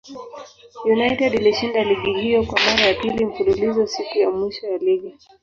United ilishinda ligi hiyo kwa mara ya pili mfululizo siku ya mwisho ya ligi.